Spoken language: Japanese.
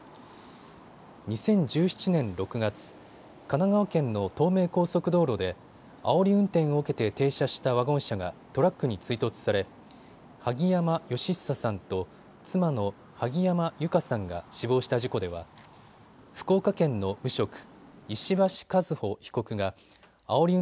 ２０１７年６月、神奈川県の東名高速道路であおり運転を受けて停車したワゴン車がトラックに追突され萩山嘉久さんと妻の萩山友香さんが死亡した事故では福岡県の無職、